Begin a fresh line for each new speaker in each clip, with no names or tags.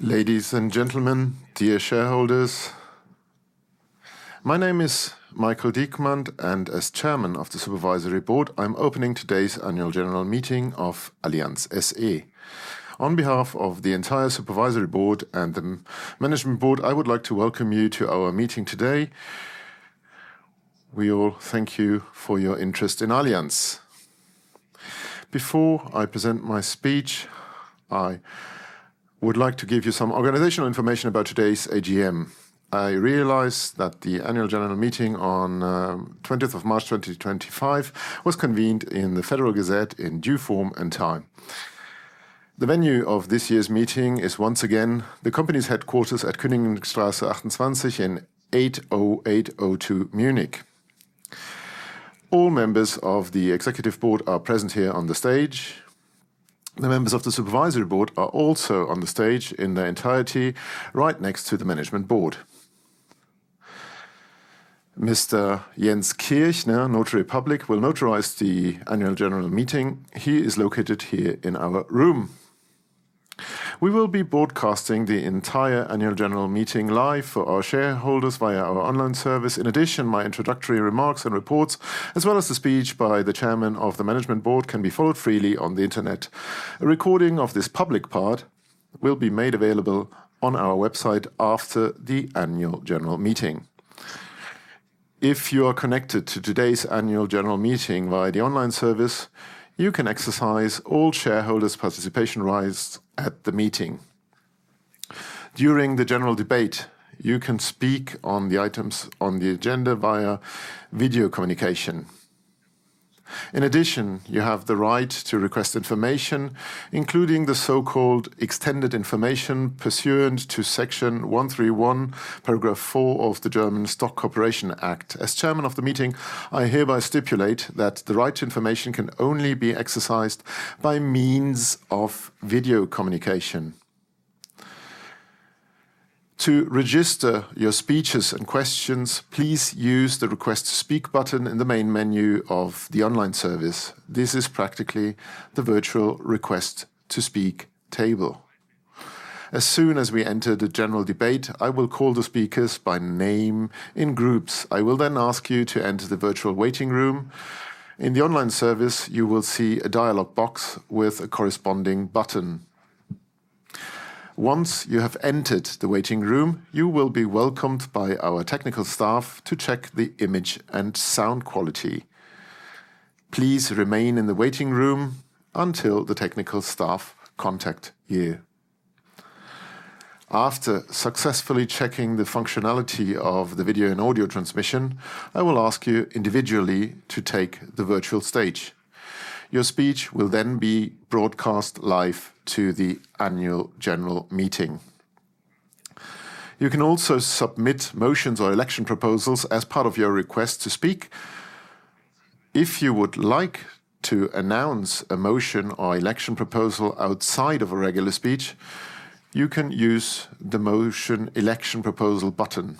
Ladies and gentlemen, dear shareholders. My name is Michael Diekmann, and as Chairman of the Supervisory Board, I'm opening today's Annual General Meeting of Allianz SE. On behalf of the entire Supervisory Board and the Management Board, I would like to welcome you to our meeting today. We all thank you for your interest in Allianz. Before I present my speech, I would like to give you some organizational information about today's AGM. I realize that the Annual General Meeting on 20th of March 2025 was convened in the Federal Gazette in due form and time. The venue of this year's meeting is once again the company's headquarters at Königsstraße 28 in 80802 Munich. All members of the Executive Board are present here on the stage. The members of the Supervisory Board are also on the stage in their entirety, right next to the Management Board. Mr. Jens Kirchner, Notary Public, will notarize the Annual General Meeting. He is located here in our room. We will be broadcasting the entire Annual General Meeting live for our shareholders via our online service. In addition, my introductory remarks and reports, as well as the speech by the Chairman of the Management Board, can be followed freely on the internet. A recording of this public part will be made available on our website after the Annual General Meeting. If you are connected to today's Annual General Meeting via the online service, you can exercise all shareholders' participation rights at the meeting. During the general debate, you can speak on the items on the agenda via video communication. In addition, you have the right to request information, including the so-called extended information pursuant to Section 131, Paragraph 4 of the German Stock Corporation Act. As Chairman of the Meeting, I hereby stipulate that the right to information can only be exercised by means of video communication. To register your speeches and questions, please use the Request to Speak button in the main menu of the online service. This is practically the virtual Request to Speak table. As soon as we enter the general debate, I will call the speakers by name in groups. I will then ask you to enter the virtual waiting room. In the online service, you will see a dialogue box with a corresponding button. Once you have entered the waiting room, you will be welcomed by our technical staff to check the image and sound quality. Please remain in the waiting room until the technical staff contact you. After successfully checking the functionality of the video and audio transmission, I will ask you individually to take the virtual stage. Your speech will then be broadcast live to the Annual General Meeting. You can also submit motions or election proposals as part of your Request to Speak. If you would like to announce a motion or election proposal outside of a regular speech, you can use the Motion Election Proposal button.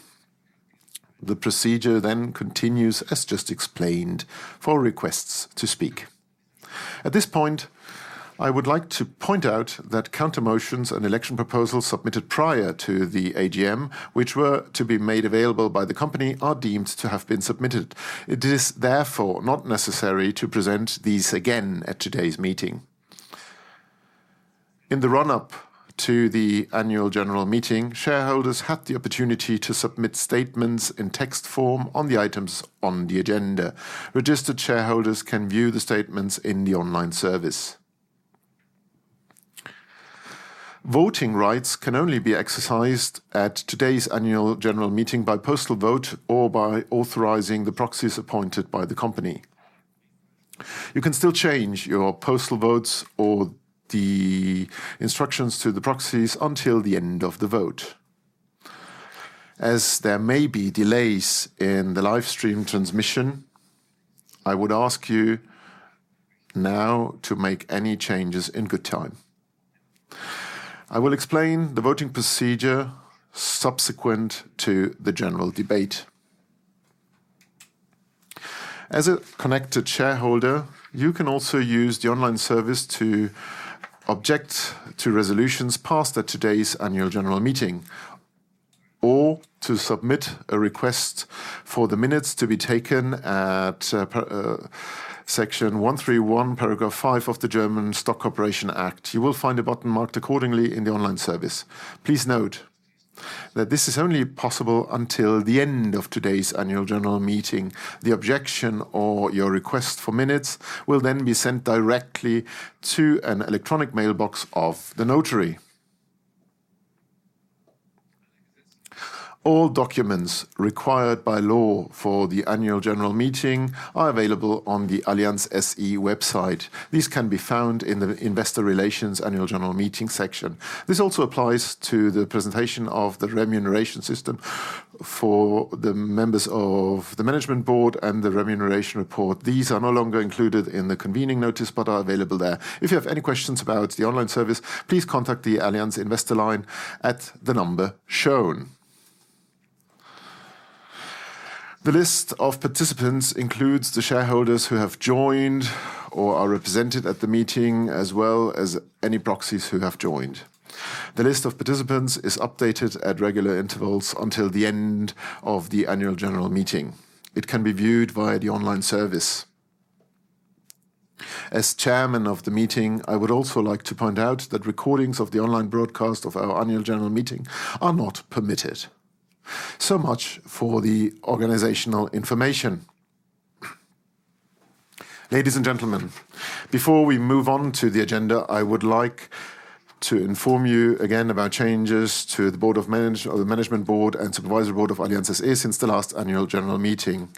The procedure then continues, as just explained, for Requests to Speak. At this point, I would like to point out that counter-motions and election proposals submitted prior to the AGM, which were to be made available by the company, are deemed to have been submitted. It is therefore not necessary to present these again at today's meeting. In the run-up to the Annual General Meeting, shareholders had the opportunity to submit statements in text form on the items on the agenda. Registered shareholders can view the statements in the online service. Voting rights can only be exercised at today's Annual General Meeting by postal vote or by authorizing the proxies appointed by the company. You can still change your postal votes or the instructions to the proxies until the end of the vote. As there may be delays in the livestream transmission, I would ask you now to make any changes in good time. I will explain the voting procedure subsequent to the general debate. As a connected shareholder, you can also use the online service to object to resolutions passed at today's Annual General Meeting or to submit a request for the minutes to be taken at Section 131, Paragraph 5 of the German Stock Corporation Act. You will find a button marked accordingly in the online service. Please note that this is only possible until the end of today's Annual General Meeting. The objection or your request for minutes will then be sent directly to an electronic mailbox of the notary. All documents required by law for the Annual General Meeting are available on the Allianz SE website. These can be found in the Investor Relations Annual General Meeting section. This also applies to the presentation of the remuneration system for the members of the Management Board and the remuneration report. These are no longer included in the convening notice but are available there. If you have any questions about the online service, please contact the Allianz Investor Line at the number shown. The list of participants includes the shareholders who have joined or are represented at the meeting, as well as any proxies who have joined. The list of participants is updated at regular intervals until the end of the Annual General Meeting. It can be viewed via the online service. As Chairman of the Meeting, I would also like to point out that recordings of the online broadcast of our Annual General Meeting are not permitted. So much for the organizational information. Ladies and gentlemen, before we move on to the agenda, I would like to inform you again about changes to the Board of Management Board and Supervisory Board of Allianz SE since the last Annual General Meeting.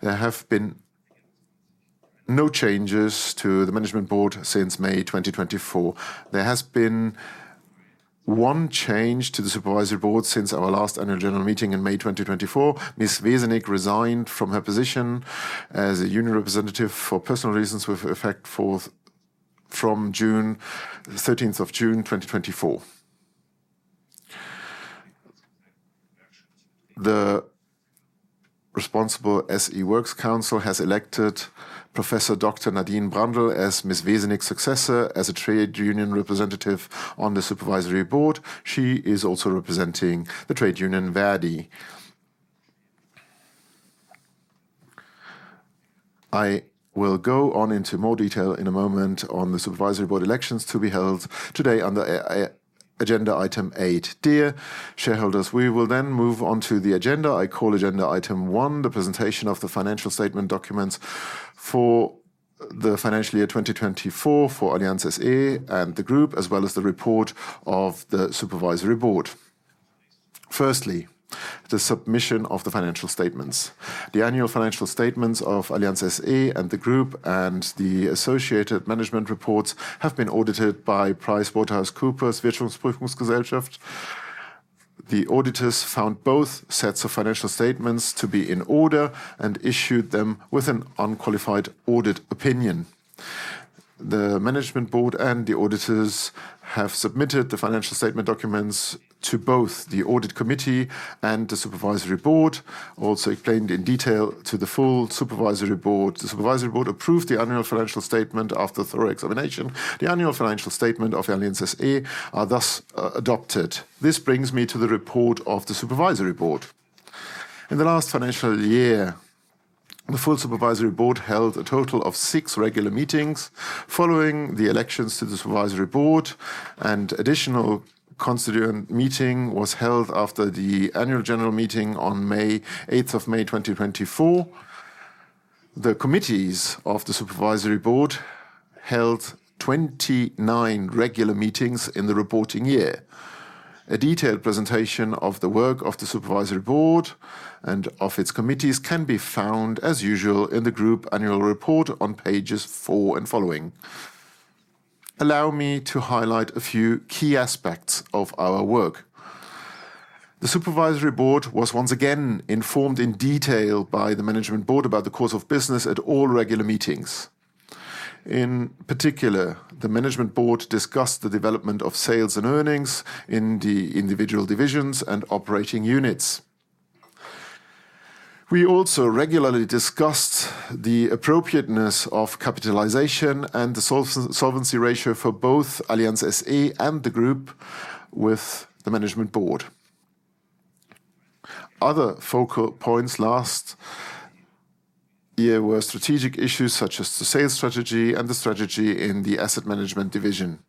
There have been no changes to the Management Board since May 2024. There has been one change to the Supervisory Board since our last Annual General Meeting in May 2024. Ms. Wiesenick resigned from her position as a union representative for personal reasons with effect from June 13, 2024. The Responsible SE Works Council has elected Professor Dr. Nadine Brandl as Ms. Wiesenick's successor as a trade union representative on the Supervisory Board. She is also representing the trade union Verdi. I will go on into more detail in a moment on the Supervisory Board elections to be held today under Agenda Item eight. Dear shareholders, we will then move on to the agenda. I call Agenda Item one, the presentation of the financial statement documents for the financial year 2024 for Allianz SE and the Group, as well as the report of the Supervisory Board. Firstly, the submission of the financial statements. The annual financial statements of Allianz SE and the Group and the associated management reports have been audited by PricewaterhouseCoopers Wirtschaftsprüfungsgesellschaft. The auditors found both sets of financial statements to be in order and issued them with an unqualified audit opinion. The Management Board and the auditors have submitted the financial statement documents to both the Audit Committee and the Supervisory Board, also explained in detail to the full Supervisory Board. The Supervisory Board approved the annual financial statement after thorough examination. The annual financial statement of Allianz SE is thus adopted. This brings me to the report of the Supervisory Board. In the last financial year, the full Supervisory Board held a total of six regular meetings following the elections to the Supervisory Board, and an additional constituent meeting was held after the Annual General Meeting on 8 May 2024. The committees of the Supervisory Board held 29 regular meetings in the reporting year. A detailed presentation of the work of the Supervisory Board and of its committees can be found, as usual, in the Group Annual Report on pages 4 and following. Allow me to highlight a few key aspects of our work. The Supervisory Board was once again informed in detail by the Management Board about the course of business at all regular meetings. In particular, the Management Board discussed the development of sales and earnings in the individual divisions and operating units. We also regularly discussed the appropriateness of capitalization and the solvency ratio for both Allianz SE and the Group with the Management Board. Other focal points last year were strategic issues such as the sales strategy and the strategy in the Asset Management Division.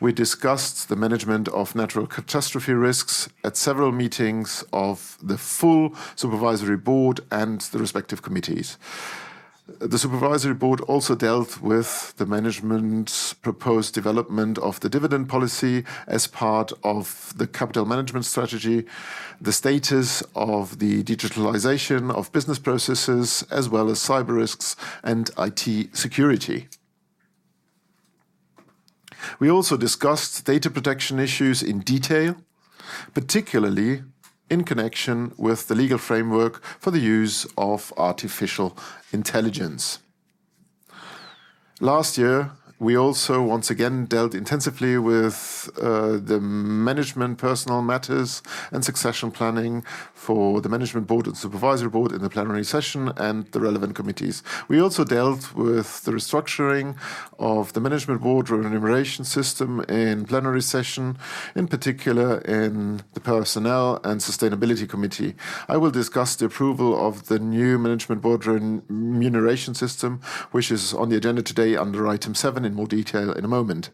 We discussed the management of natural catastrophe risks at several meetings of the full Supervisory Board and the respective committees. The Supervisory Board also dealt with the Management's proposed development of the dividend policy as part of the capital management strategy, the status of the digitalization of business processes, as well as cyber risks and IT security. We also discussed data protection issues in detail, particularly in connection with the legal framework for the use of artificial intelligence. Last year, we also once again dealt intensively with the management personal matters and succession planning for the Management Board and Supervisory Board in the plenary session and the relevant committees. We also dealt with the restructuring of the Management Board remuneration system in plenary session, in particular in the Personnel and Sustainability Committee. I will discuss the approval of the new Management Board remuneration system, which is on the agenda today under Item seven in more detail in a moment.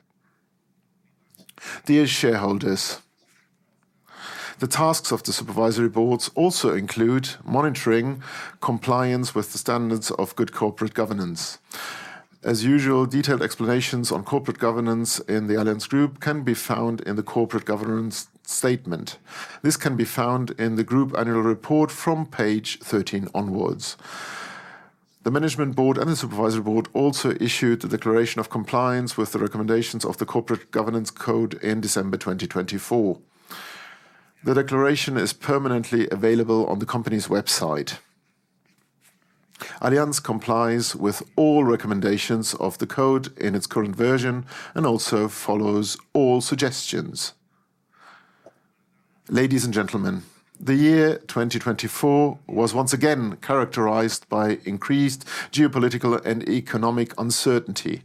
Dear shareholders, the tasks of the Supervisory Boards also include monitoring compliance with the standards of good corporate governance. As usual, detailed explanations on corporate governance in the Allianz Group can be found in the corporate governance statement. This can be found in the Group Annual Report from page 13 onwards. The Management Board and the Supervisory Board also issued the Declaration of Compliance with the recommendations of the Corporate Governance Code in December 2024. The declaration is permanently available on the company's website. Allianz complies with all recommendations of the code in its current version and also follows all suggestions. Ladies and gentlemen, the year 2024 was once again characterized by increased geopolitical and economic uncertainty.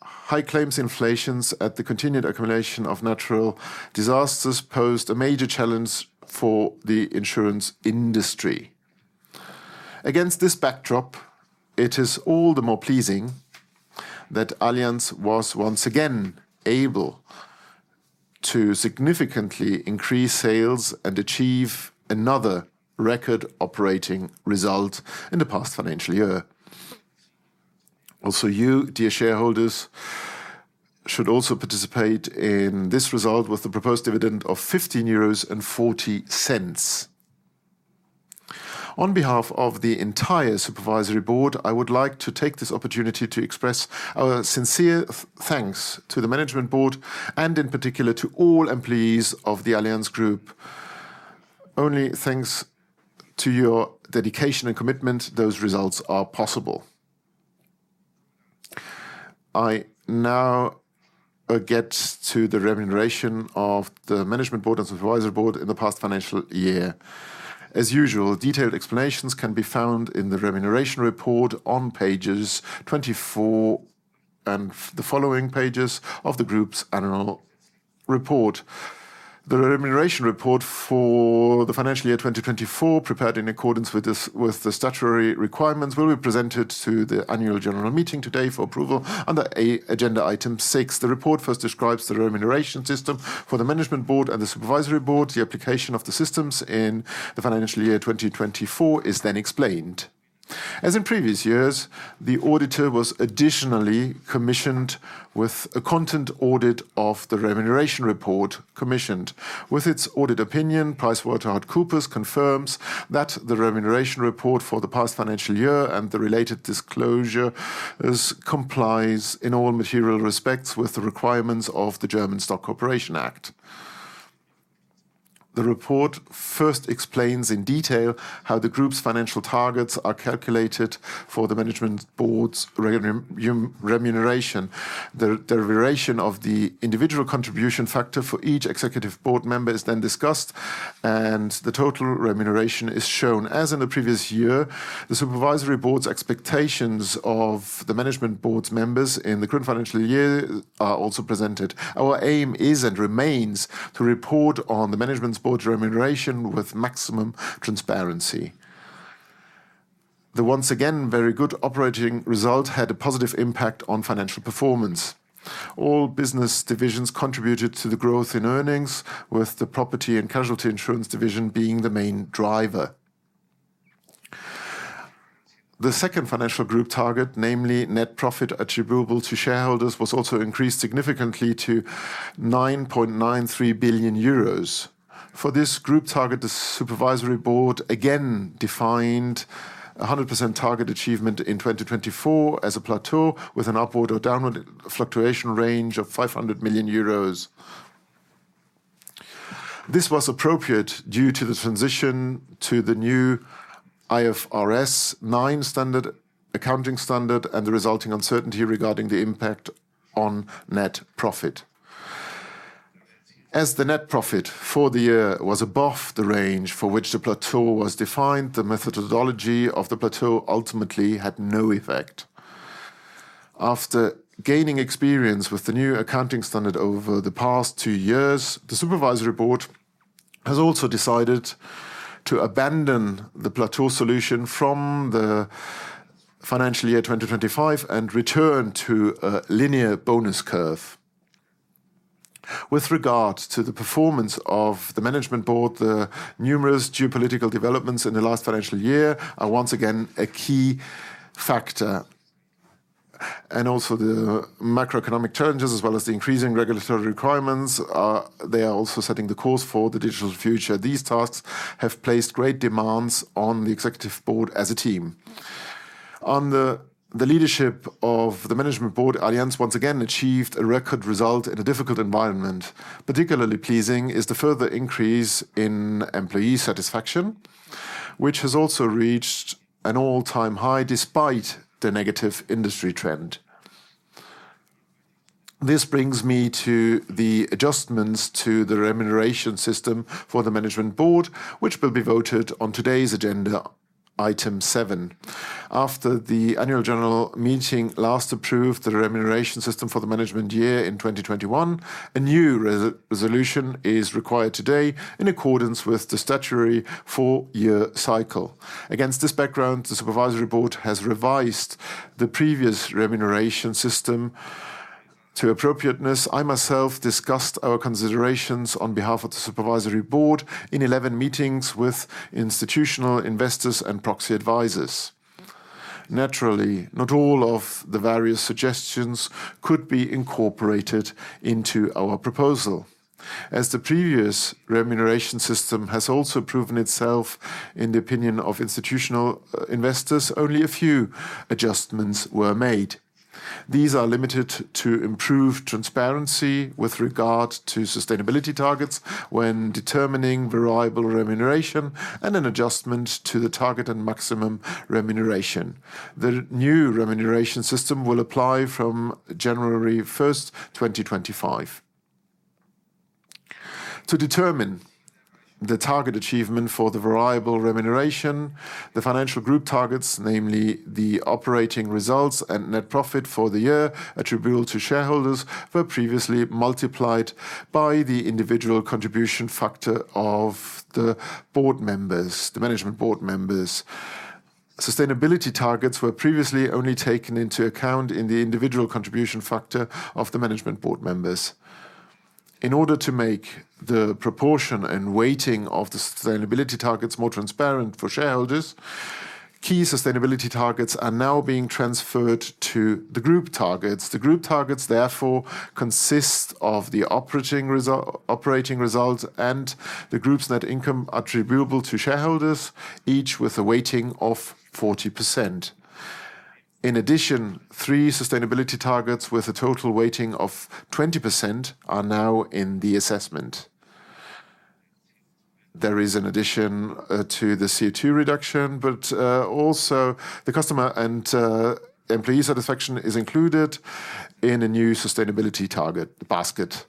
High claims inflations and the continued accumulation of natural disasters posed a major challenge for the insurance industry. Against this backdrop, it is all the more pleasing that Allianz was once again able to significantly increase sales and achieve another record operating result in the past financial year. Also, you, dear shareholders, should also participate in this result with the proposed dividend of 15.40 euros. On behalf of the entire Supervisory Board, I would like to take this opportunity to express our sincere thanks to the Management Board and, in particular, to all employees of the Allianz Group. Only thanks to your dedication and commitment, those results are possible. I now get to the remuneration of the Management Board and Supervisory Board in the past financial year. As usual, detailed explanations can be found in the remuneration report on page 24 and the following pages of the Group's Annual Report. The remuneration report for the financial year 2024, prepared in accordance with the statutory requirements, will be presented to the Annual General Meeting today for approval under Agenda Item six. The report first describes the remuneration system for the Management Board and the Supervisory Board. The application of the systems in the financial year 2024 is then explained. As in previous years, the auditor was additionally commissioned with a content audit of the remuneration report commissioned. With its audit opinion, PricewaterhouseCoopers confirms that the remuneration report for the past financial year and the related disclosures comply in all material respects with the requirements of the German Stock Corporation Act. The report first explains in detail how the Group's financial targets are calculated for the Management Board's remuneration. The remuneration of the individual contribution factor for each Executive Board member is then discussed, and the total remuneration is shown. As in the previous year, the Supervisory Board's expectations of the Management Board's members in the current financial year are also presented. Our aim is and remains to report on the Management Board's remuneration with maximum transparency. The once again very good operating result had a positive impact on financial performance. All business divisions contributed to the growth in earnings, with the Property and Casualty Insurance Division being the main driver. The second financial group target, namely net profit attributable to shareholders, was also increased significantly to 9.93 billion euros. For this group target, the Supervisory Board again defined 100% target achievement in 2024 as a plateau with an upward or downward fluctuation range of 500 million euros. This was appropriate due to the transition to the new IFRS 9 standard accounting standard and the resulting uncertainty regarding the impact on net profit. As the net profit for the year was above the range for which the plateau was defined, the methodology of the plateau ultimately had no effect. After gaining experience with the new accounting standard over the past two years, the Supervisory Board has also decided to abandon the plateau solution from the financial year 2025 and return to a linear bonus curve. With regard to the performance of the Management Board, the numerous geopolitical developments in the last financial year are once again a key factor. Also the macroeconomic challenges, as well as the increasing regulatory requirements, they are also setting the course for the digital future. These tasks have placed great demands on the Executive Board as a team. Under the leadership of the Management Board, Allianz once again achieved a record result in a difficult environment. Particularly pleasing is the further increase in employee satisfaction, which has also reached an all-time high despite the negative industry trend. This brings me to the adjustments to the remuneration system for the Management Board, which will be voted on today's agenda, Item seven. After the Annual General Meeting last approved the remuneration system for the management year in 2021, a new resolution is required today in accordance with the statutory four-year cycle. Against this background, the Supervisory Board has revised the previous remuneration system to appropriateness. I myself discussed our considerations on behalf of the Supervisory Board in 11 meetings with institutional investors and proxy advisors. Naturally, not all of the various suggestions could be incorporated into our proposal. As the previous remuneration system has also proven itself in the opinion of institutional investors, only a few adjustments were made. These are limited to improved transparency with regard to sustainability targets when determining variable remuneration and an adjustment to the target and maximum remuneration. The new remuneration system will apply from January 1st, 2025. To determine the target achievement for the variable remuneration, the financial group targets, namely the operating results and net profit for the year attributable to shareholders, were previously multiplied by the individual contribution factor of the board members, the Management Board members. Sustainability targets were previously only taken into account in the individual contribution factor of the Management Board members. In order to make the proportion and weighting of the sustainability targets more transparent for shareholders, key sustainability targets are now being transferred to the group targets. The group targets, therefore, consist of the operating result and the group's net income attributable to shareholders, each with a weighting of 40%. In addition, three sustainability targets with a total weighting of 20% are now in the assessment. There is an addition to the CO2 reduction, but also the customer and employee satisfaction is included in a new sustainability target basket.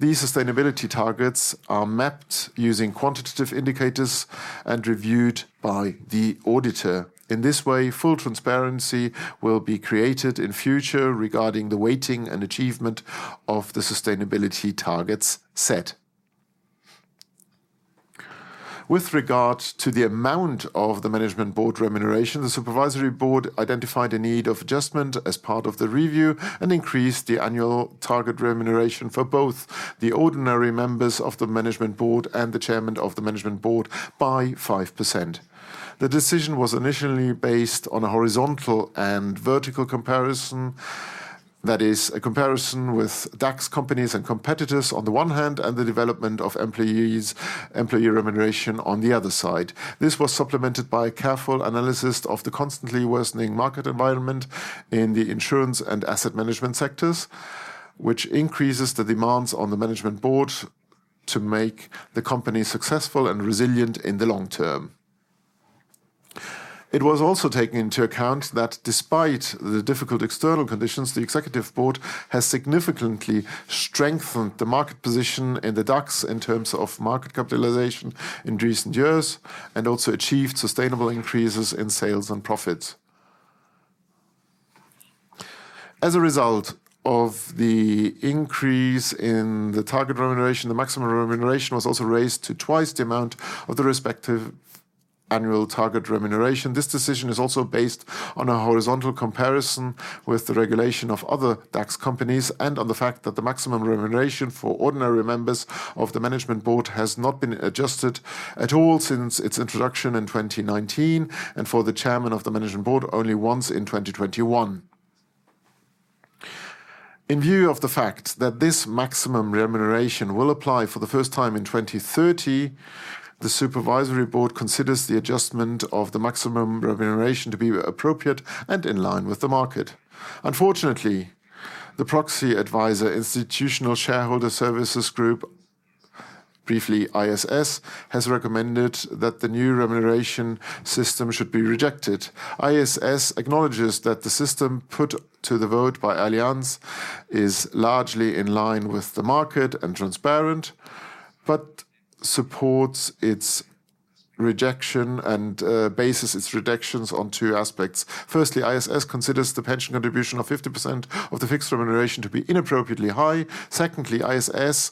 These sustainability targets are mapped using quantitative indicators and reviewed by the auditor. In this way, full transparency will be created in future regarding the weighting and achievement of the sustainability targets set. With regard to the amount of the Management Board remuneration, the Supervisory Board identified a need of adjustment as part of the review and increased the annual target remuneration for both the ordinary members of the Management Board and the Chairman of the Management Board by 5%. The decision was initially based on a horizontal and vertical comparison, that is, a comparison with DAX companies and competitors on the one hand and the development of employee remuneration on the other side. This was supplemented by a careful analysis of the constantly worsening market environment in the insurance and asset management sectors, which increases the demands on the Management Board to make the company successful and resilient in the long term. It was also taken into account that despite the difficult external conditions, the Executive Board has significantly strengthened the market position in the DAX in terms of market capitalization in recent years and also achieved sustainable increases in sales and profits. As a result of the increase in the target remuneration, the maximum remuneration was also raised to twice the amount of the respective annual target remuneration. This decision is also based on a horizontal comparison with the regulation of other DAX companies and on the fact that the maximum remuneration for ordinary members of the Management Board has not been adjusted at all since its introduction in 2019 and for the Chairman of the Management Board only once in 2021. In view of the fact that this maximum remuneration will apply for the first time in 2030, the Supervisory Board considers the adjustment of the maximum remuneration to be appropriate and in line with the market. Unfortunately, the proxy advisor Institutional Shareholder Services Group, briefly ISS, has recommended that the new remuneration system should be rejected. ISS acknowledges that the system put to the vote by Allianz is largely in line with the market and transparent, but supports its rejection and bases its rejection on two aspects. Firstly, ISS considers the pension contribution of 50% of the fixed remuneration to be inappropriately high. Secondly, ISS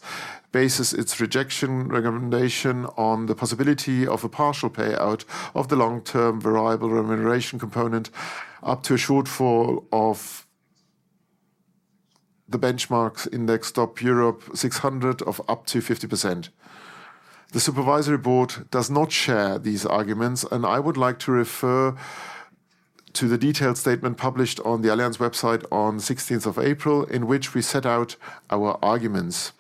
bases its rejection recommendation on the possibility of a partial payout of the long-term variable remuneration component up to a shortfall of the benchmark index Stoxx Europe 600 of up to 50%. The Supervisory Board does not share these arguments, and I would like to refer to the detailed statement published on the Allianz website on the 16th of April, in which we set out our arguments.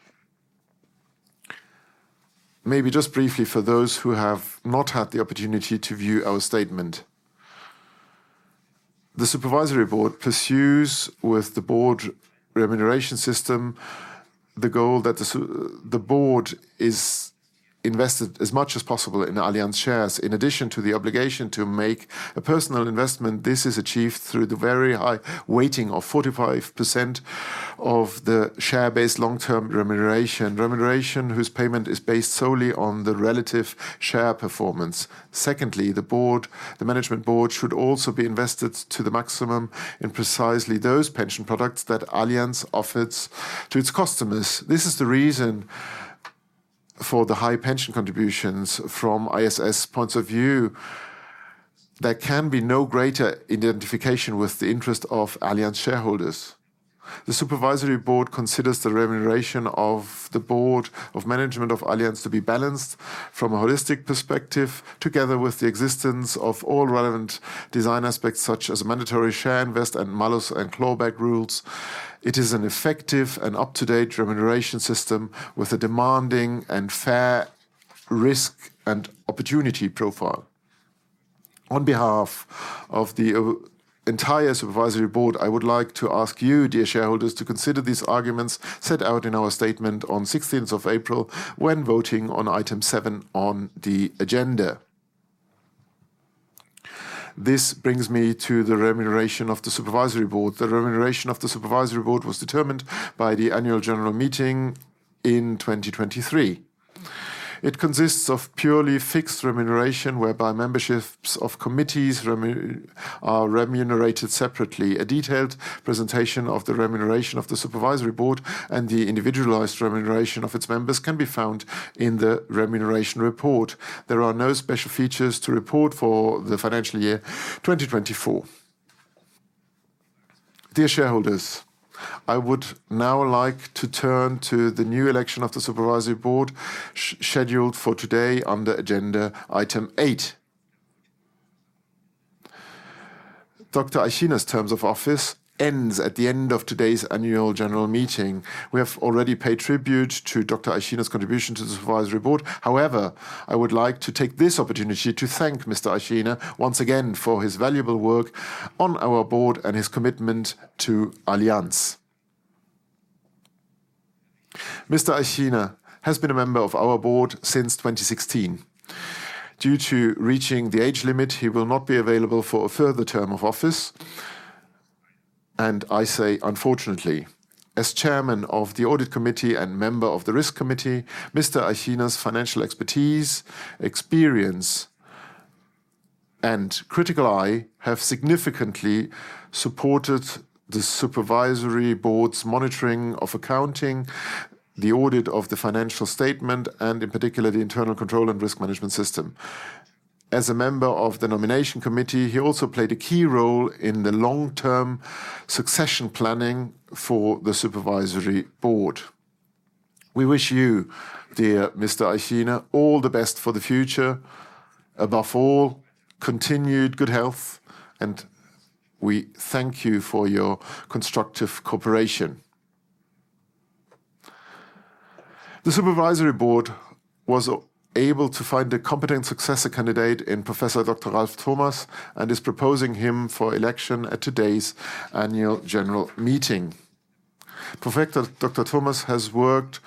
Maybe just briefly for those who have not had the opportunity to view our statement. The Supervisory Board pursues with the board remuneration system the goal that the board is invested as much as possible in Allianz shares. In addition to the obligation to make a personal investment, this is achieved through the very high weighting of 45% of the share-based long-term remuneration, remuneration whose payment is based solely on the relative share performance. Secondly, the Board, the Management Board, should also be invested to the maximum in precisely those pension products that Allianz offers to its customers. This is the reason for the high pension contributions from ISS's point of view. There can be no greater identification with the interest of Allianz shareholders. The Supervisory Board considers the remuneration of the Board of Management of Allianz to be balanced from a holistic perspective, together with the existence of all relevant design aspects such as mandatory share invest and malus and clawback rules. It is an effective and up-to-date remuneration system with a demanding and fair risk and opportunity profile. On behalf of the entire Supervisory Board, I would like to ask you, dear shareholders, to consider these arguments set out in our statement on the 16th of April when voting on Item seven on the agenda. This brings me to the remuneration of the Supervisory Board. The remuneration of the Supervisory Board was determined by the Annual General Meeting in 2023. It consists of purely fixed remuneration whereby memberships of committees are remunerated separately. A detailed presentation of the remuneration of the Supervisory Board and the individualized remuneration of its members can be found in the remuneration report. There are no special features to report for the financial year 2024. Dear shareholders, I would now like to turn to the new election of the Supervisory Board scheduled for today under agenda item eight. Dr. Eichiner's term of office ends at the end of today's Annual General Meeting. We have already paid tribute to Dr. Eichiner's contribution to the Supervisory Board. However, I would like to take this opportunity to thank Mr. Eichiner once again for his valuable work on our board and his commitment to Allianz. Mr. Eichiner has been a member of our board since 2016. Due to reaching the age limit, he will not be available for a further term of office. I say unfortunately. As Chairman of the Audit Committee and member of the Risk Committee, Mr. Eichiner's financial expertise, experience, and critical eye have significantly supported the Supervisory Board's monitoring of accounting, the audit of the financial statement, and in particular, the internal control and risk management system. As a member of the Nomination Committee, he also played a key role in the long-term succession planning for the Supervisory Board. We wish you, dear Mr. Eichiner, all the best for the future. Above all, continued good health, and we thank you for your constructive cooperation. The Supervisory Board was able to find a competent successor candidate in Professor Dr. Ralf Thomas and is proposing him for election at today's Annual General Meeting. Professor Dr. Thomas has worked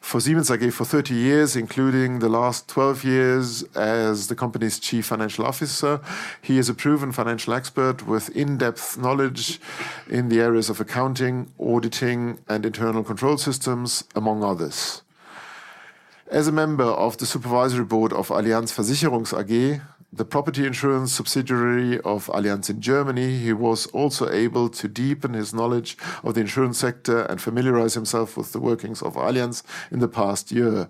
for Siemens AG for 30 years, including the last 12 years as the company's Chief Financial Officer. He is a proven financial expert with in-depth knowledge in the areas of accounting, auditing, and internal control systems, among others. As a member of the Supervisory Board of Allianz Versicherungs AG, the property insurance subsidiary of Allianz in Germany, he was also able to deepen his knowledge of the insurance sector and familiarize himself with the workings of Allianz in the past year.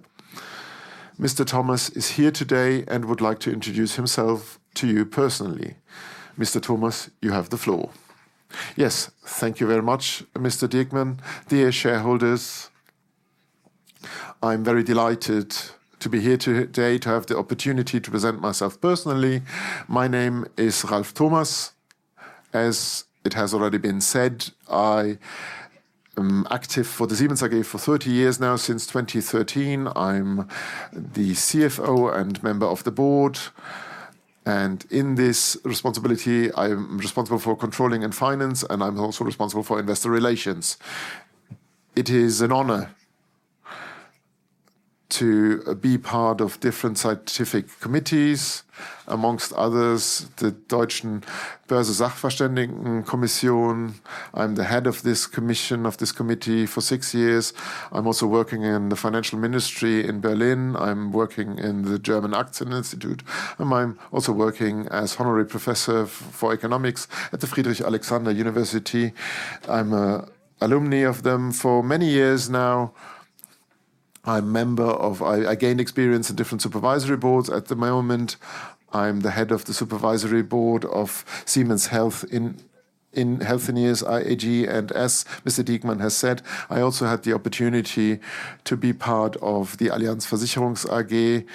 Mr. Thomas is here today and would like to introduce himself to you personally. Mr. Thomas, you have the floor. Yes, thank you very much, Mr. Diekmann. Dear shareholders, I'm very delighted to be here today to have the opportunity to present myself personally. My name is Ralf Thomas. As it has already been said, I am active for Siemens AG for 30 years now. Since 2013, I'm the CFO and member of the board. In this responsibility, I'm responsible for controlling and finance, and I'm also responsible for investor relations. It is an honor to be part of different scientific committees, amongst others, the Deutschen Börse-Sachverständigen-Kommission. I'm the head of this commission, of this committee, for six years. I'm also working in the Financial Ministry in Berlin. I'm working in the German Acts Institute. I'm also working as honorary professor for economics at the Friedrich Alexander University. I'm an alumni of them for many years now. I'm a member of, I gained experience in different supervisory boards. At the moment, I'm the head of the Supervisory Board of Siemens Healthineers AG. As Mr. Diekmann has said, I also had the opportunity to be part of the Allianz Versicherungs AG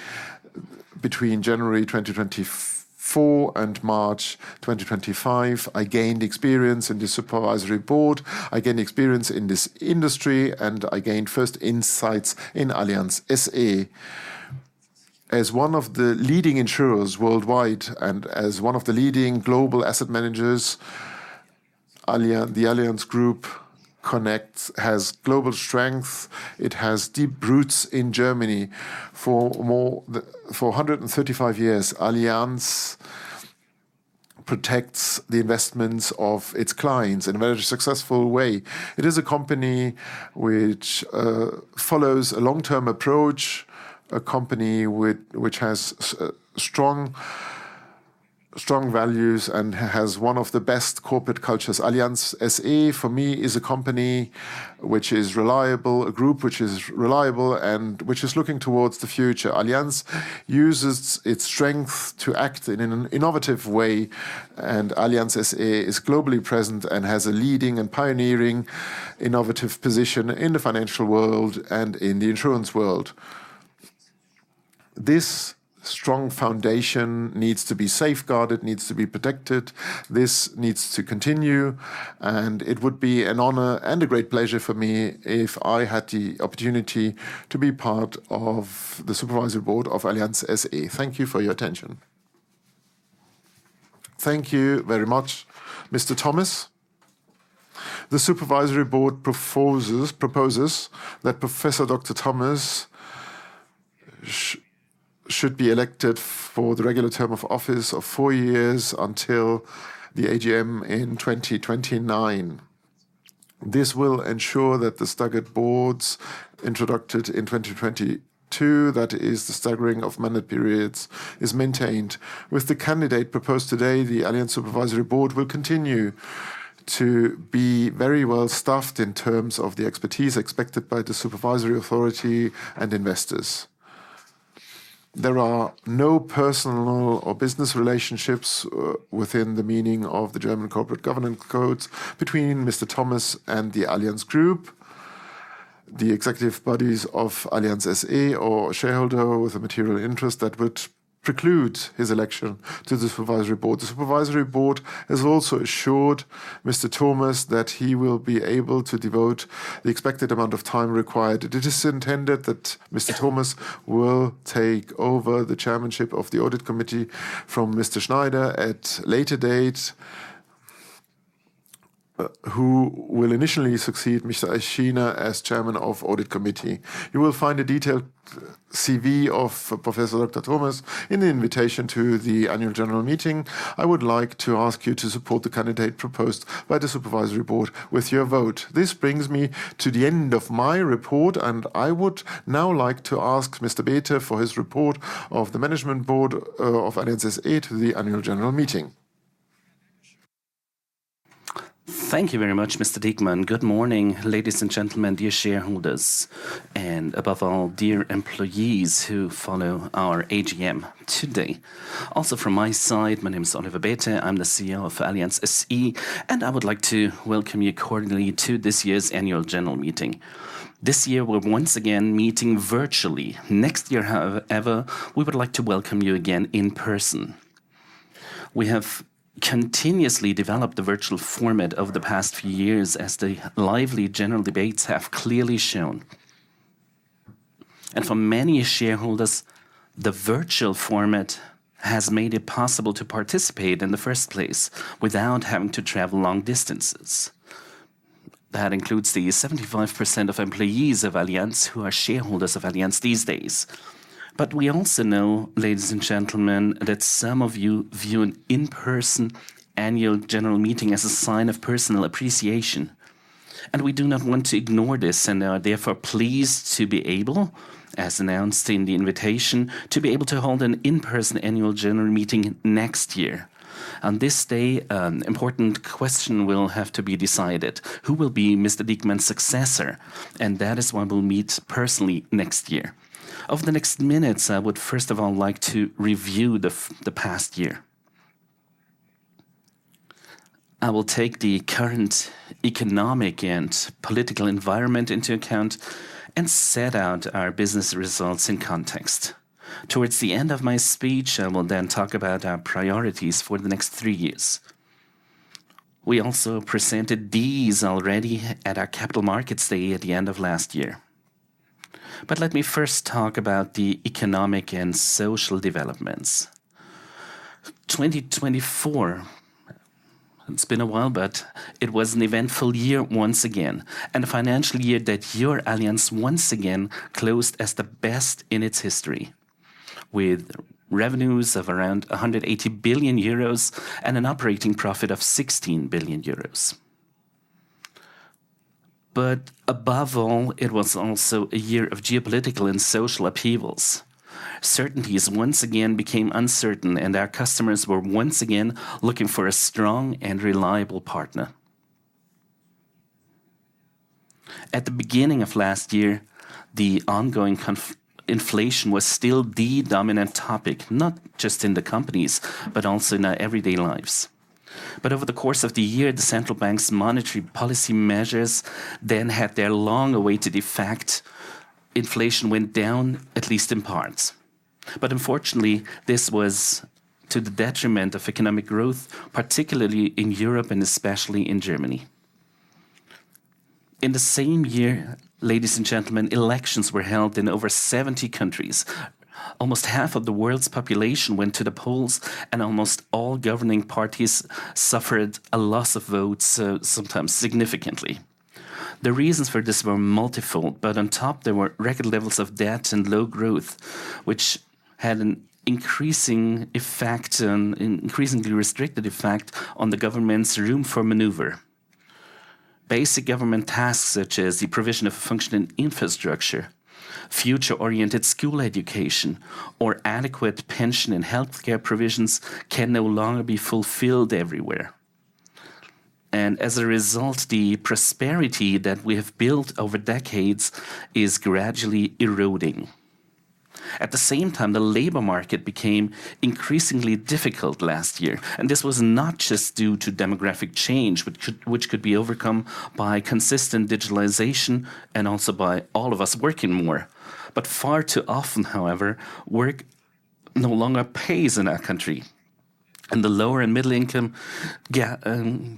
between January 2024 and March 2025. I gained experience in the Supervisory Board. I gained experience in this industry, and I gained first insights in Allianz SE. As one of the leading insurers worldwide and as one of the leading global asset managers, the Allianz Group Connect has global strength. It has deep roots in Germany. For 135 years, Allianz protects the investments of its clients in a very successful way. It is a company which follows a long-term approach, a company which has strong values and has one of the best corporate cultures. Allianz SE, for me, is a company which is reliable, a group which is reliable and which is looking towards the future. Allianz uses its strength to act in an innovative way, and Allianz SE is globally present and has a leading and pioneering innovative position in the financial world and in the insurance world. This strong foundation needs to be safeguarded, needs to be protected. This needs to continue, and it would be an honor and a great pleasure for me if I had the opportunity to be part of the Supervisory Board of Allianz SE. Thank you for your attention. Thank you very much, Mr. Thomas. The Supervisory Board proposes that Professor Dr. Thomas should be elected for the regular term of office of four years until the AGM in 2029. This will ensure that the staggered boards introduced in 2022, that is, the staggering of mandate periods, is maintained. With the candidate proposed today, the Allianz Supervisory Board will continue to be very well staffed in terms of the expertise expected by the supervisory authority and investors. There are no personal or business relationships within the meaning of the German corporate governance codes between Mr. Thomas and the Allianz Group, the executive bodies of Allianz SE or a shareholder with a material interest that would preclude his election to the Supervisory Board. The Supervisory Board has also assured Mr. Thomas that he will be able to devote the expected amount of time required. It is intended that Mr. Thomas will take over the chairmanship of the Audit Committee from Mr. Schneider at a later date, who will initially succeed Mr. Eichiner as chairman of the Audit Committee. You will find a detailed CV of Professor Dr. Thomas in the invitation to the Annual General Meeting. I would like to ask you to support the candidate proposed by the Supervisory Board with your vote. This brings me to the end of my report, and I would now like to ask Mr. Bäte for his report of the Management Board of Allianz SE to the Annual General Meeting.
Thank you very much, Mr. Diekmann. Good morning, ladies and gentlemen, dear shareholders, and above all, dear employees who follow our AGM today. Also from my side, my name is Oliver Bäte. I'm the CEO of Allianz SE, and I would like to welcome you accordingly to this year's Annual General Meeting. This year, we're once again meeting virtually. Next year, however, we would like to welcome you again in person. We have continuously developed the virtual format over the past few years, as the lively general debates have clearly shown. For many shareholders, the virtual format has made it possible to participate in the first place without having to travel long distances. That includes the 75% of employees of Allianz who are shareholders of Allianz these days. We also know, ladies and gentlemen, that some of you view an in-person Annual General Meeting as a sign of personal appreciation. We do not want to ignore this and are therefore pleased to be able, as announced in the invitation, to be able to hold an in-person Annual General Meeting next year. On this day, an important question will have to be decided: who will be Mr. Diekmann's successor? That is why we'll meet personally next year. Over the next minutes, I would first of all like to review the past year. I will take the current economic and political environment into account and set out our business results in context. Towards the end of my speech, I will then talk about our priorities for the next three years. We also presented these already at our capital markets day at the end of last year. Let me first talk about the economic and social developments. 2024, it's been a while, but it was an eventful year once again, and a financial year that your Allianz once again closed as the best in its history, with revenues of around 180 billion euros and an operating profit of 16 billion euros. Above all, it was also a year of geopolitical and social upheavals. Certainties once again became uncertain, and our customers were once again looking for a strong and reliable partner. At the beginning of last year, the ongoing inflation was still the dominant topic, not just in the companies, but also in our everyday lives. Over the course of the year, the central bank's monetary policy measures then had their long-awaited effect. Inflation went down, at least in part. Unfortunately, this was to the detriment of economic growth, particularly in Europe and especially in Germany. In the same year, ladies and gentlemen, elections were held in over 70 countries. Almost half of the world's population went to the polls, and almost all governing parties suffered a loss of votes, sometimes significantly. The reasons for this were multiple. There were record levels of debt and low growth, which had an increasing effect and an increasingly restricted effect on the government's room for maneuver. Basic government tasks, such as the provision of functioning infrastructure, future-oriented school education, or adequate pension and healthcare provisions, can no longer be fulfilled everywhere. As a result, the prosperity that we have built over decades is gradually eroding. At the same time, the labor market became increasingly difficult last year. This was not just due to demographic change, which could be overcome by consistent digitalization and also by all of us working more. Far too often, however, work no longer pays in our country. The lower and middle-income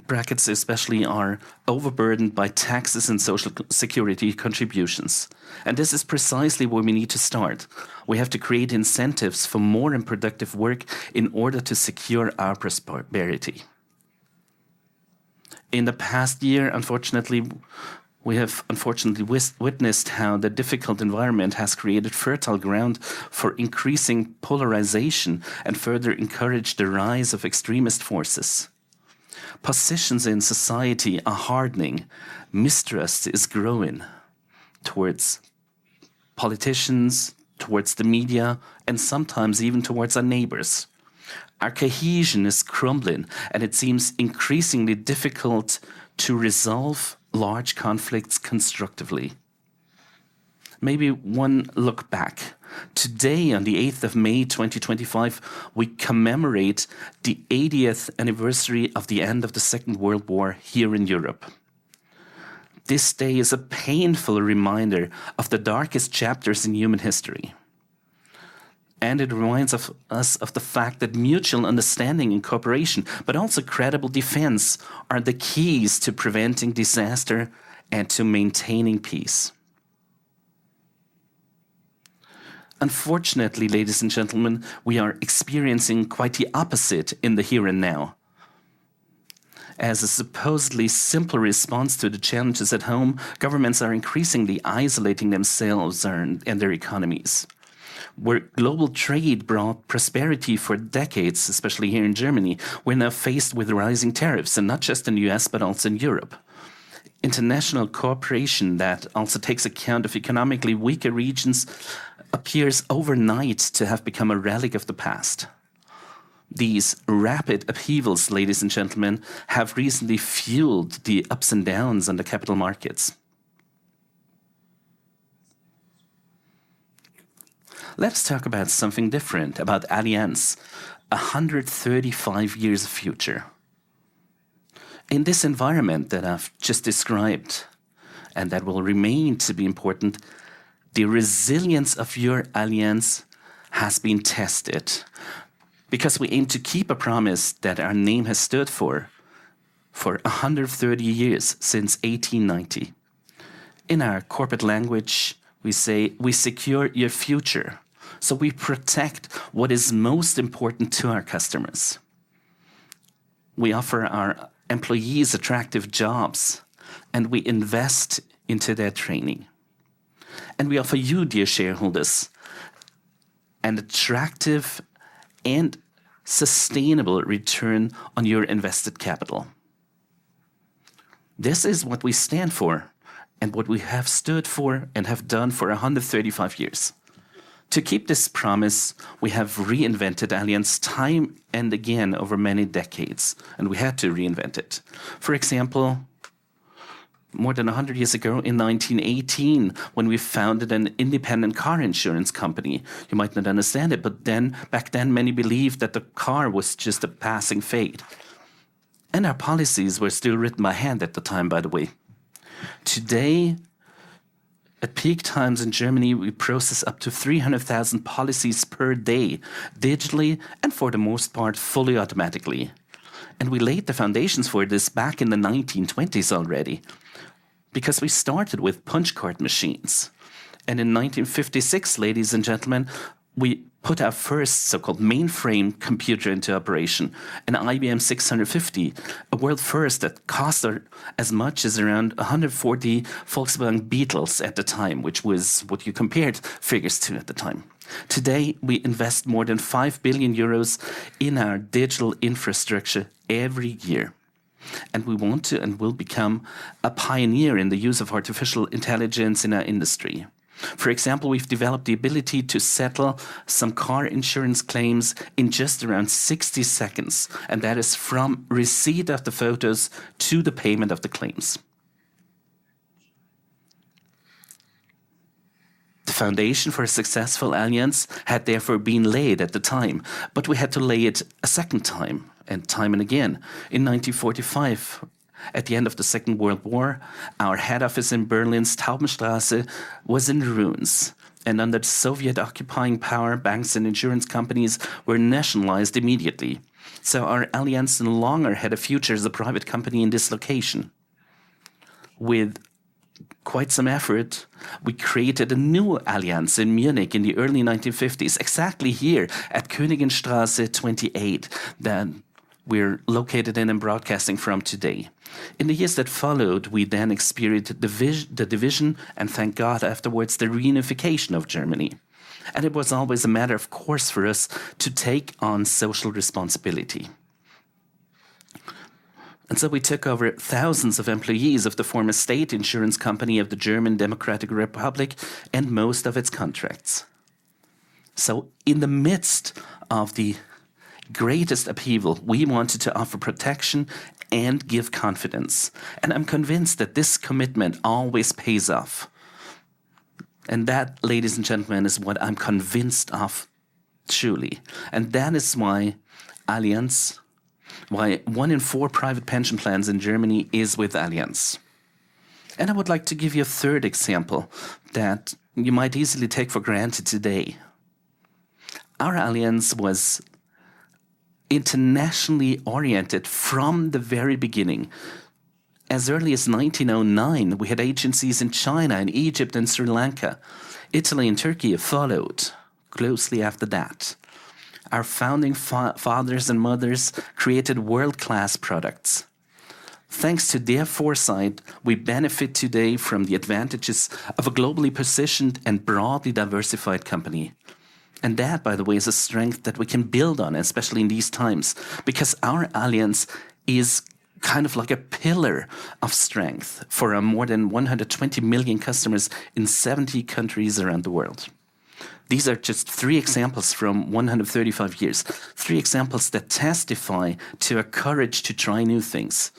brackets, especially, are overburdened by taxes and social security contributions. This is precisely where we need to start. We have to create incentives for more and productive work in order to secure our prosperity. In the past year, unfortunately, we have witnessed how the difficult environment has created fertile ground for increasing polarization and further encouraged the rise of extremist forces. Positions in society are hardening. Mistrust is growing towards politicians, towards the media, and sometimes even towards our neighbors. Our cohesion is crumbling, and it seems increasingly difficult to resolve large conflicts constructively. Maybe one look back. Today, on the 8th of May 2025, we commemorate the 80th anniversary of the end of the Second World War here in Europe. This day is a painful reminder of the darkest chapters in human history. It reminds us of the fact that mutual understanding and cooperation, but also credible defense, are the keys to preventing disaster and to maintaining peace. Unfortunately, ladies and gentlemen, we are experiencing quite the opposite in the here and now. As a supposedly simple response to the challenges at home, governments are increasingly isolating themselves and their economies. Where global trade brought prosperity for decades, especially here in Germany, we're now faced with rising tariffs, and not just in the U.S., but also in Europe. International cooperation that also takes account of economically weaker regions appears overnight to have become a relic of the past. These rapid upheavals, ladies and gentlemen, have recently fueled the ups and downs on the capital markets. Let's talk about something different about Allianz: 135 years of future. In this environment that I've just described and that will remain to be important, the resilience of your Allianz has been tested because we aim to keep a promise that our name has stood for for 130 years, since 1890. In our corporate language, we say, "We secure your future." We protect what is most important to our customers. We offer our employees attractive jobs, and we invest into their training. We offer you, dear shareholders, an attractive and sustainable return on your invested capital. This is what we stand for and what we have stood for and have done for 135 years. To keep this promise, we have reinvented Allianz time and again over many decades, and we had to reinvent it. For example, more than 100 years ago, in 1918, when we founded an independent car insurance company, you might not understand it, but back then, many believed that the car was just a passing fad. Our policies were still written by hand at the time, by the way. Today, at peak times in Germany, we process up to 300,000 policies per day, digitally and for the most part fully automatically. We laid the foundations for this back in the 1920s already because we started with punch card machines. In 1956, ladies and gentlemen, we put our first so-called mainframe computer into operation, an IBM 650, a world first that cost as much as around 140 Volkswagen Beetles at the time, which was what you compared figures to at the time. Today, we invest more than 5 billion euros in our digital infrastructure every year. We want to and will become a pioneer in the use of artificial intelligence in our industry. For example, we have developed the ability to settle some car insurance claims in just around 60 seconds, and that is from receipt of the photos to the payment of the claims. The foundation for a successful Allianz had therefore been laid at the time, but we had to lay it a second time and time and again. In 1945, at the end of the Second World War, our head office in Berlin's Taubenstraße was in ruins. Under the Soviet occupying power, banks and insurance companies were nationalized immediately. Our Allianz no longer had a future as a private company in this location. With quite some effort, we created a new Allianz in Munich in the early 1950s, exactly here at Königstraße 28, that we're located in and broadcasting from today. In the years that followed, we then experienced the division, and thank God afterwards, the reunification of Germany. It was always a matter of course for us to take on social responsibility. We took over thousands of employees of the former state insurance company of the German Democratic Republic and most of its contracts. In the midst of the greatest upheaval, we wanted to offer protection and give confidence. I'm convinced that this commitment always pays off. That, ladies and gentlemen, is what I'm convinced of truly. That is why Allianz, why one in four private pension plans in Germany is with Allianz. I would like to give you a third example that you might easily take for granted today. Our Allianz was internationally oriented from the very beginning. As early as 1909, we had agencies in China and Egypt and Sri Lanka. Italy and Turkey followed closely after that. Our founding fathers and mothers created world-class products. Thanks to their foresight, we benefit today from the advantages of a globally positioned and broadly diversified company. That, by the way, is a strength that we can build on, especially in these times, because our Allianz is kind of like a pillar of strength for our more than 120 million customers in 70 countries around the world. These are just three examples from 135 years, three examples that testify to our courage to try new things,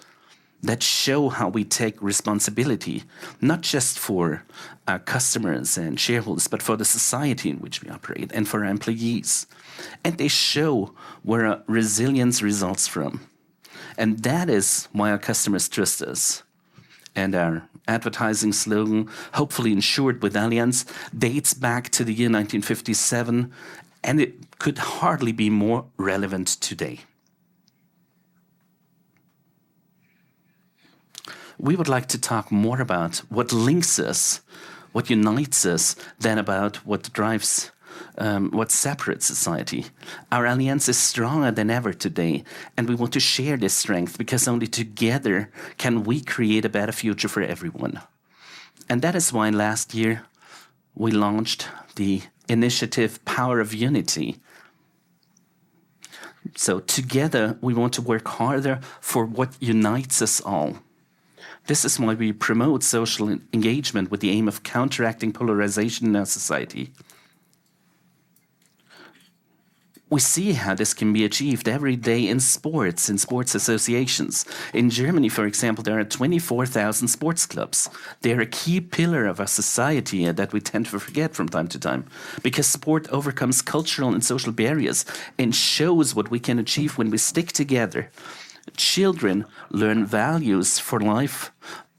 that show how we take responsibility, not just for our customers and shareholders, but for the society in which we operate and for our employees. They show where our resilience results from. That is why our customers trust us. Our advertising slogan, hopefully insured with Allianz, dates back to the year 1957, and it could hardly be more relevant today. We would like to talk more about what links us, what unites us, than about what separates society. Our Allianz is stronger than ever today, and we want to share this strength because only together can we create a better future for everyone. That is why last year we launched the initiative Power of Unity. Together, we want to work harder for what unites us all. This is why we promote social engagement with the aim of counteracting polarization in our society. We see how this can be achieved every day in sports, in sports associations. In Germany, for example, there are 24,000 sports clubs. They're a key pillar of our society that we tend to forget from time to time because sport overcomes cultural and social barriers and shows what we can achieve when we stick together. Children learn values for life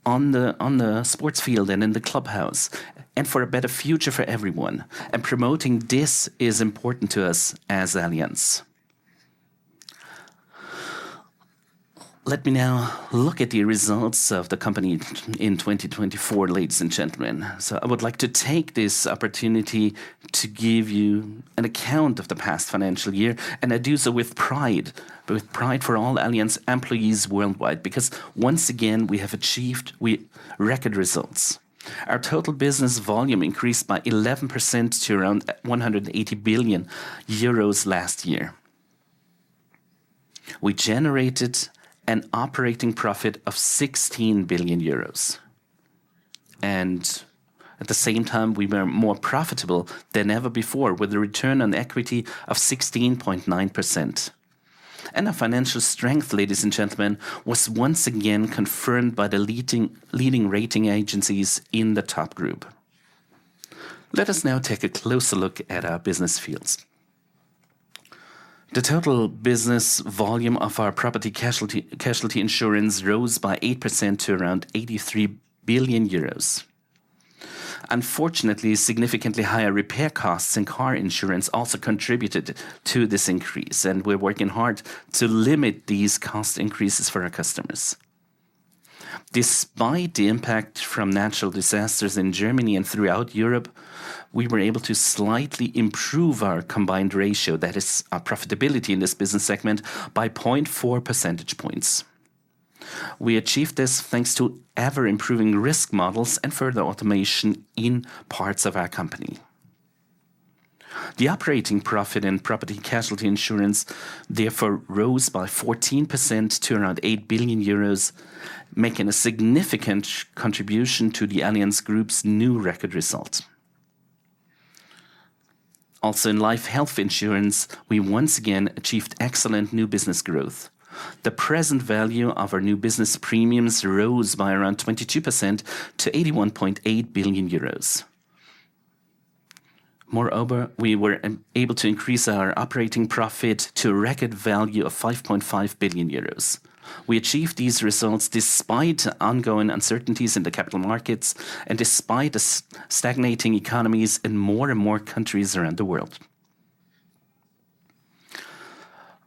on the sports field and in the clubhouse and for a better future for everyone. Promoting this is important to us as Allianz. Let me now look at the results of the company in 2024, ladies and gentlemen. I would like to take this opportunity to give you an account of the past financial year, and I do so with pride, with pride for all Allianz employees worldwide, because once again, we have achieved record results. Our total business volume increased by 11% to around 180 billion euros last year. We generated an operating profit of 16 billion euros. At the same time, we were more profitable than ever before, with a return on equity of 16.9%. Our financial strength, ladies and gentlemen, was once again confirmed by the leading rating agencies in the top group. Let us now take a closer look at our business fields. The total business volume of our property-casualty insurance rose by 8% to around 83 billion euros. Unfortunately, significantly higher repair costs in car insurance also contributed to this increase, and we're working hard to limit these cost increases for our customers. Despite the impact from natural disasters in Germany and throughout Europe, we were able to slightly improve our combined ratio, that is, our profitability in this business segment, by 0.4 percentage points. We achieved this thanks to ever-improving risk models and further automation in parts of our company. The operating profit in property-casualty insurance, therefore, rose by 14% to around 8 billion euros, making a significant contribution to the Allianz Group's new record result. Also, in life and health insurance, we once again achieved excellent new business growth. The present value of our new business premiums rose by around 22% to 81.8 billion euros. Moreover, we were able to increase our operating profit to a record value of 5.5 billion euros. We achieved these results despite ongoing uncertainties in the capital markets and despite stagnating economies in more and more countries around the world.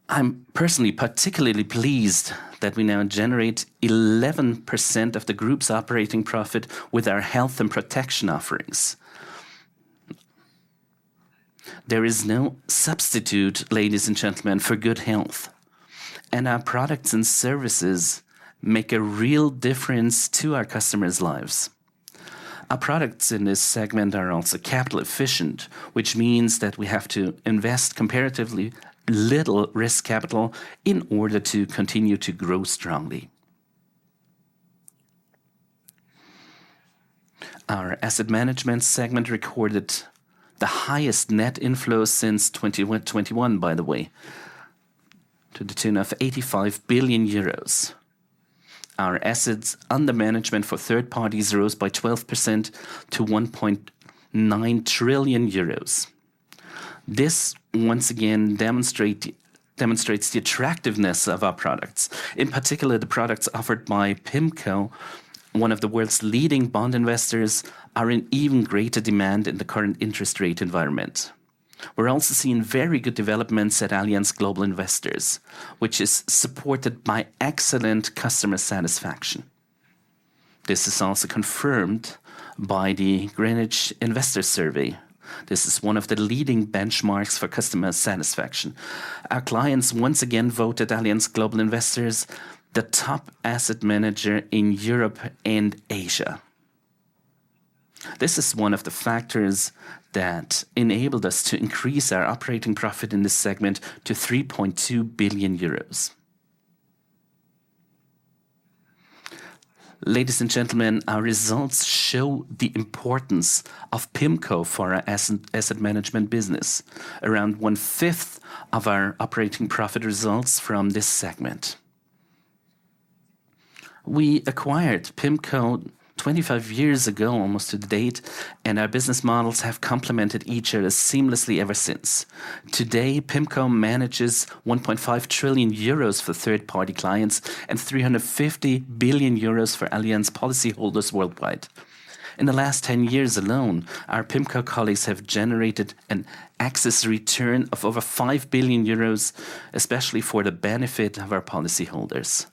I'm personally particularly pleased that we now generate 11% of the group's operating profit with our health and protection offerings. There is no substitute, ladies and gentlemen, for good health. Our products and services make a real difference to our customers' lives. Our products in this segment are also capital efficient, which means that we have to invest comparatively little risk capital in order to continue to grow strongly. Our asset management segment recorded the highest net inflow since 2021, by the way, to the tune of 85 billion euros. Our assets under management for third parties rose by 12% to 1.9 trillion euros. This once again demonstrates the attractiveness of our products. In particular, the products offered by PIMCO, one of the world's leading bond investors, are in even greater demand in the current interest rate environment. We're also seeing very good developments at Allianz Global Investors, which is supported by excellent customer satisfaction. This is also confirmed by the Greenwich Investor Survey. This is one of the leading benchmarks for customer satisfaction. Our clients once again voted Allianz Global Investors the top asset manager in Europe and Asia. This is one of the factors that enabled us to increase our operating profit in this segment to 3.2 billion euros. Ladies and gentlemen, our results show the importance of PIMCO for our asset management business. Around one fifth of our operating profit results from this segment. We acquired PIMCO 25 years ago almost to the date, and our business models have complemented each other seamlessly ever since. Today, PIMCO manages 1.5 trillion euros for third-party clients and 350 billion euros for Allianz policyholders worldwide. In the last 10 years alone, our PIMCO colleagues have generated an excess return of over 5 billion euros, especially for the benefit of our policyholders.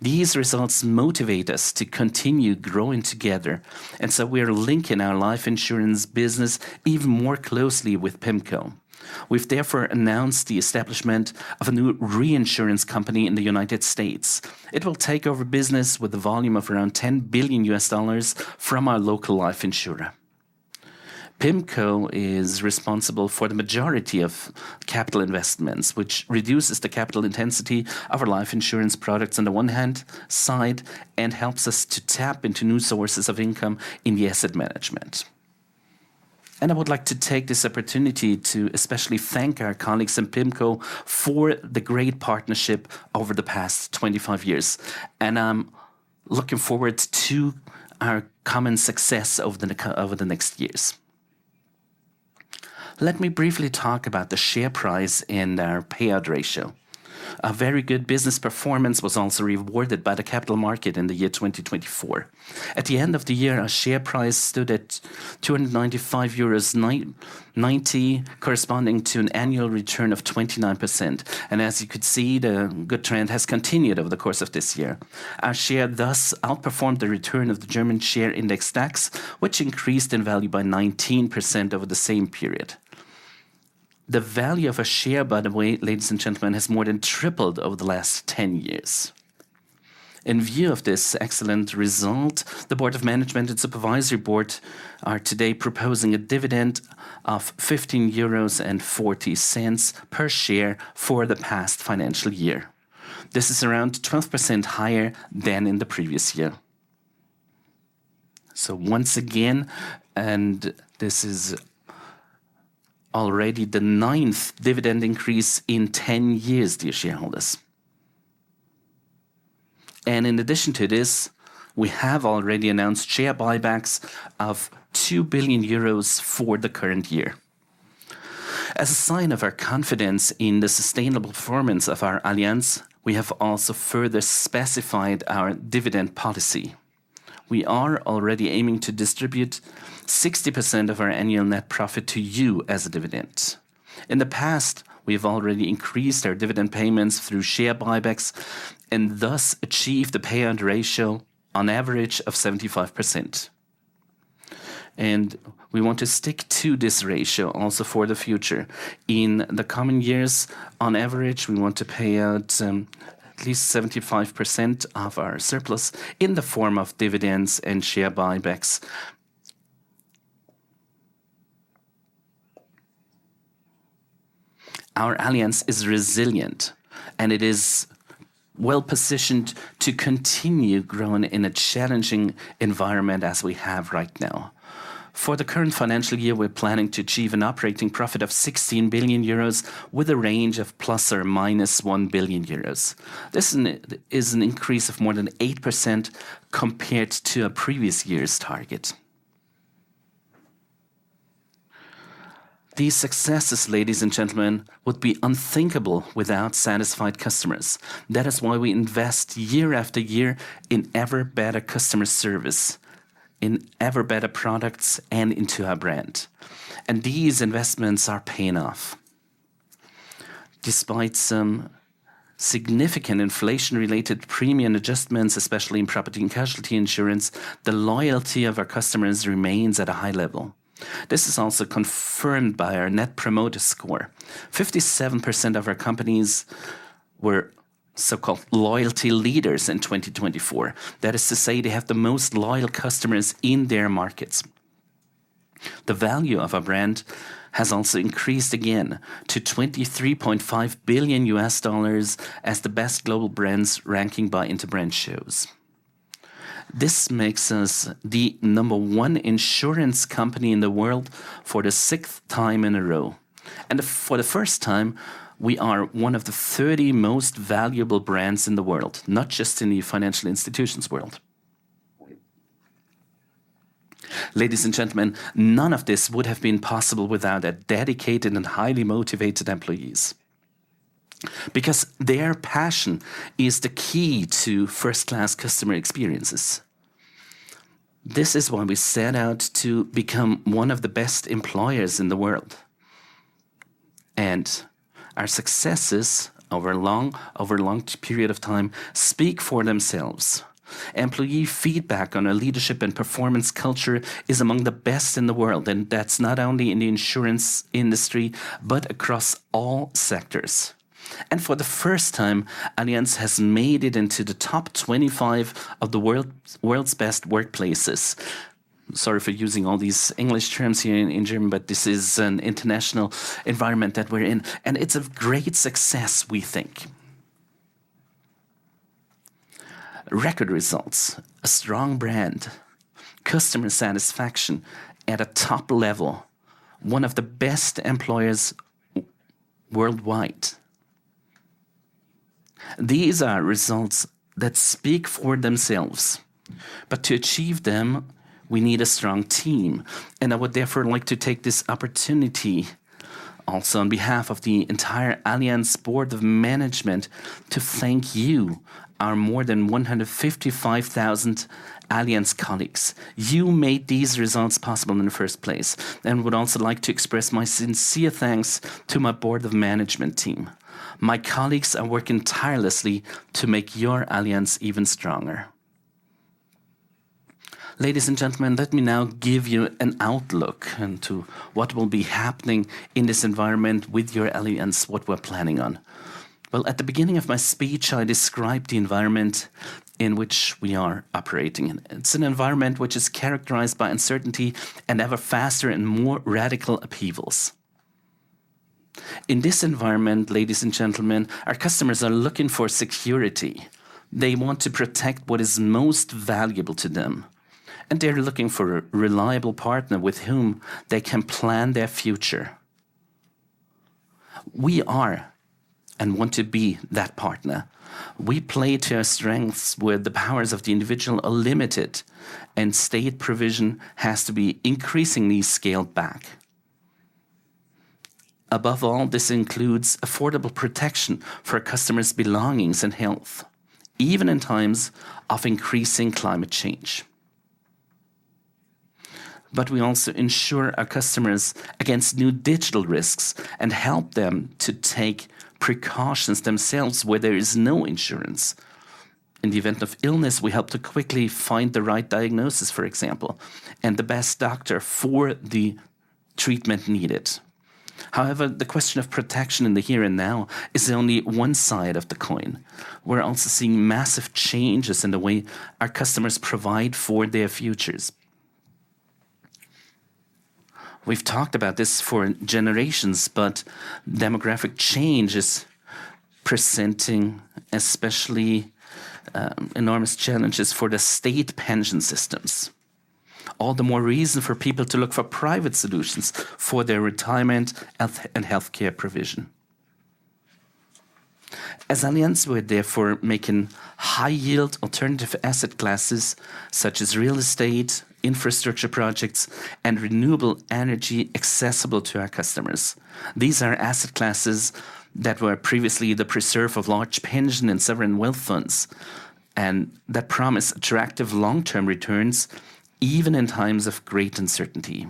These results motivate us to continue growing together, and we are linking our life insurance business even more closely with PIMCO. We have therefore announced the establishment of a new reinsurance company in the U.S. It will take over business with a volume of around $10 billion from our local life insurer. PIMCO is responsible for the majority of capital investments, which reduces the capital intensity of our life insurance products on the one hand side and helps us to tap into new sources of income in the asset management. I would like to take this opportunity to especially thank our colleagues in PIMCO for the great partnership over the past 25 years. I'm looking forward to our common success over the next years. Let me briefly talk about the share price and our payout ratio. A very good business performance was also rewarded by the capital market in the year 2024. At the end of the year, our share price stood at 295.90 euros, corresponding to an annual return of 29%. As you could see, the good trend has continued over the course of this year. Our share thus outperformed the return of the German share index DAX, which increased in value by 19% over the same period. The value of our share, by the way, ladies and gentlemen, has more than tripled over the last 10 years. In view of this excellent result, the Board of Management and Supervisory Board are today proposing a dividend of 15.40 euros per share for the past financial year. This is around 12% higher than in the previous year. Once again, this is already the ninth dividend increase in 10 years for shareholders. In addition to this, we have already announced share buybacks of 2 billion euros for the current year. As a sign of our confidence in the sustainable performance of our Allianz, we have also further specified our dividend policy. We are already aiming to distribute 60% of our annual net profit to you as a dividend. In the past, we have already increased our dividend payments through share buybacks and thus achieved a payout ratio on average of 75%. We want to stick to this ratio also for the future. In the coming years, on average, we want to pay out at least 75% of our surplus in the form of dividends and share buybacks. Our Allianz is resilient, and it is well positioned to continue growing in a challenging environment as we have right now. For the current financial year, we're planning to achieve an operating profit of 16 billion euros with a range of plus or minus 1 billion euros. This is an increase of more than 8% compared to a previous year's target. These successes, ladies and gentlemen, would be unthinkable without satisfied customers. That is why we invest year after year in ever better customer service, in ever better products, and into our brand. These investments are paying off. Despite some significant inflation-related premium adjustments, especially in property and casualty insurance, the loyalty of our customers remains at a high level. This is also confirmed by our Net Promoter Score. 57% of our companies were so-called loyalty leaders in 2024. That is to say, they have the most loyal customers in their markets. The value of our brand has also increased again to $23.5 billion as the best global brands ranking by Interbrand shows. This makes us the number one insurance company in the world for the sixth time in a row. For the first time, we are one of the 30 most valuable brands in the world, not just in the financial institutions world. Ladies and gentlemen, none of this would have been possible without our dedicated and highly motivated employees. Because their passion is the key to first-class customer experiences. This is why we set out to become one of the best employers in the world. Our successes over a long period of time speak for themselves. Employee feedback on our leadership and performance culture is among the best in the world. That is not only in the insurance industry, but across all sectors. For the first time, Allianz has made it into the top 25 of the world's best workplaces. Sorry for using all these English terms here in German, but this is an international environment that we are in. It is a great success, we think. Record results, a strong brand, customer satisfaction at a top level, one of the best employers worldwide. These are results that speak for themselves. To achieve them, we need a strong team. I would therefore like to take this opportunity also on behalf of the entire Allianz Board of Management to thank you, our more than 155,000 Allianz colleagues. You made these results possible in the first place. I would also like to express my sincere thanks to my Board of Management team. My colleagues are working tirelessly to make your Allianz even stronger. Ladies and gentlemen, let me now give you an outlook into what will be happening in this environment with your Allianz, what we are planning on. At the beginning of my speech, I described the environment in which we are operating. It is an environment which is characterized by uncertainty and ever faster and more radical upheavals. In this environment, ladies and gentlemen, our customers are looking for security. They want to protect what is most valuable to them. They are looking for a reliable partner with whom they can plan their future. We are and want to be that partner. We play to our strengths with the powers of the individual unlimited, and state provision has to be increasingly scaled back. Above all, this includes affordable protection for customers' belongings and health, even in times of increasing climate change. We also ensure our customers against new digital risks and help them to take precautions themselves where there is no insurance. In the event of illness, we help to quickly find the right diagnosis, for example, and the best doctor for the treatment needed. However, the question of protection in the here and now is only one side of the coin. We are also seeing massive changes in the way our customers provide for their futures. We've talked about this for generations, but demographic change is presenting especially enormous challenges for the state pension systems. All the more reason for people to look for private solutions for their retirement and healthcare provision. As Allianz, we're therefore making high-yield alternative asset classes such as real estate, infrastructure projects, and renewable energy accessible to our customers. These are asset classes that were previously the preserve of large pension and sovereign wealth funds, and that promise attractive long-term returns even in times of great uncertainty.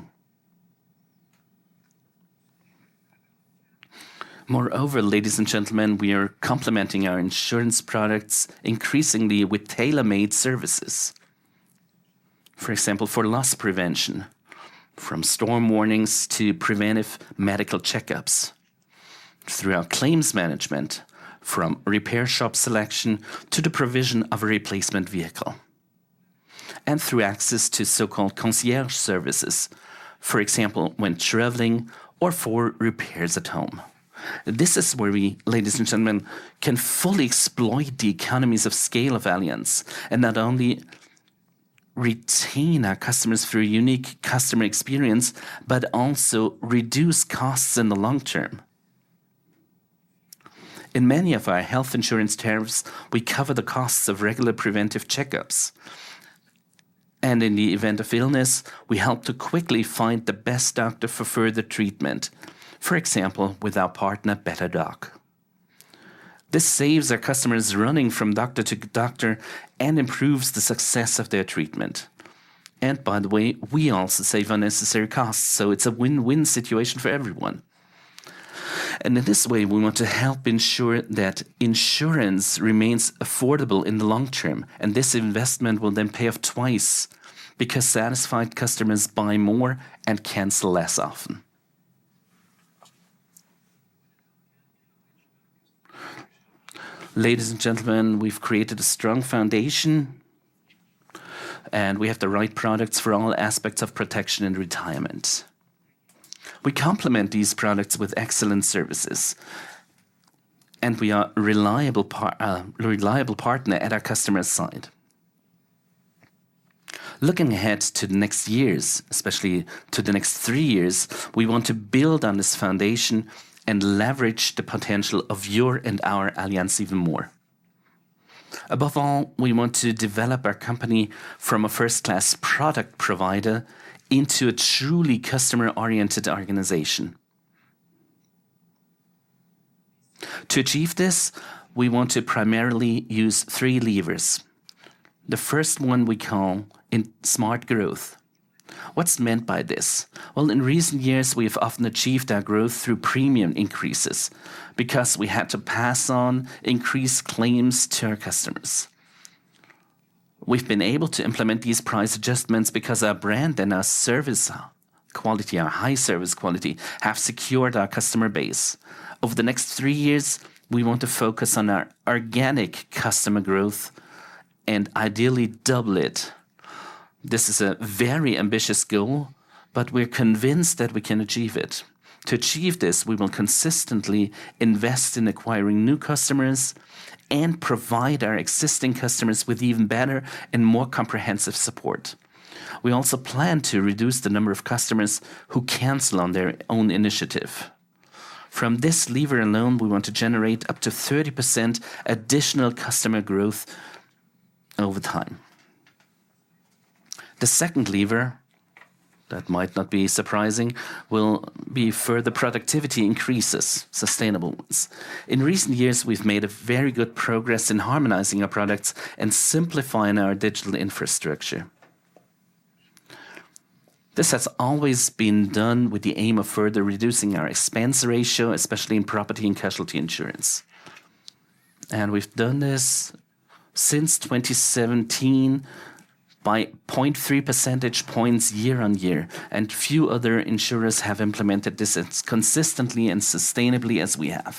Moreover, ladies and gentlemen, we are complementing our insurance products increasingly with tailor-made services. For example, for loss prevention, from storm warnings to preventive medical checkups, through our claims management, from repair shop selection to the provision of a replacement vehicle, and through access to so-called concierge services, for example, when traveling or for repairs at home. This is where we, ladies and gentlemen, can fully exploit the economies of scale of Allianz and not only retain our customers through unique customer experience, but also reduce costs in the long term. In many of our health insurance tariffs, we cover the costs of regular preventive checkups. In the event of illness, we help to quickly find the best doctor for further treatment, for example, with our partner BetterDoc. This saves our customers running from doctor to doctor and improves the success of their treatment. By the way, we also save unnecessary costs, so it's a win-win situation for everyone. In this way, we want to help ensure that insurance remains affordable in the long term, and this investment will then pay off twice because satisfied customers buy more and cancel less often. Ladies and gentlemen, we've created a strong foundation, and we have the right products for all aspects of protection and retirement. We complement these products with excellent services, and we are a reliable partner at our customer's side. Looking ahead to the next years, especially to the next three years, we want to build on this foundation and leverage the potential of your and our Allianz even more. Above all, we want to develop our company from a first-class product provider into a truly customer-oriented organization. To achieve this, we want to primarily use three levers. The first one we call smart growth. What is meant by this? In recent years, we have often achieved our growth through premium increases because we had to pass on increased claims to our customers. We've been able to implement these price adjustments because our brand and our service quality, our high service quality, have secured our customer base. Over the next three years, we want to focus on our organic customer growth and ideally double it. This is a very ambitious goal, but we're convinced that we can achieve it. To achieve this, we will consistently invest in acquiring new customers and provide our existing customers with even better and more comprehensive support. We also plan to reduce the number of customers who cancel on their own initiative. From this lever alone, we want to generate up to 30% additional customer growth over time. The second lever, that might not be surprising, will be further productivity increases, sustainable ones. In recent years, we've made very good progress in harmonizing our products and simplifying our digital infrastructure. This has always been done with the aim of further reducing our expense ratio, especially in property and casualty insurance. We have done this since 2017 by 0.3 percentage points year on year. Few other insurers have implemented this as consistently and sustainably as we have.